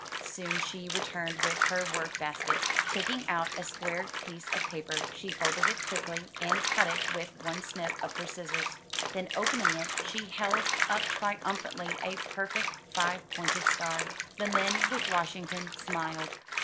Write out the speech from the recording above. Soon she re turned with her work basket. Taking out a square 296 UP ONE PAIR OF STAIRS piece of paper, she folded it quickly and cut it with one snip of her scissors. Then opening it, she held up triumphantly a perfect five pointed star. The men with Washington smiled.